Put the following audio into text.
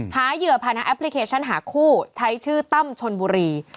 เหยื่อผ่านทางแอปพลิเคชันหาคู่ใช้ชื่อตั้มชนบุรี